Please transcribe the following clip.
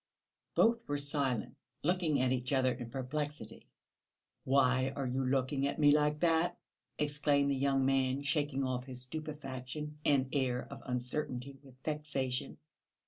Both were silent, looking at each other in perplexity. "Why are you looking at me like that?" exclaimed the young man, shaking off his stupefaction and air of uncertainty with vexation.